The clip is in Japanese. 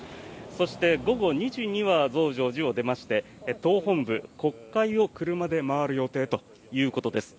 そして、午後２時には増上寺を出まして党本部、国会を車で回る予定ということです。